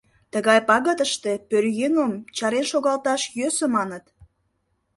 Тыгай пагытыште пӧръеҥым чарен шогалташ йӧсӧ, маныт.